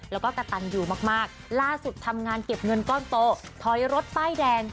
แล้วก็กระตันอยู่มากล่าสุดทำงานเก็บเงินก้อนโตถอยรถป้ายแดง